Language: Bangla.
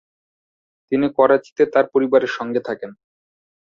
তিনি করাচিতে তার পরিবারের সঙ্গে থাকেন।